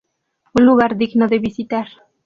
Un lugar digno de visitar.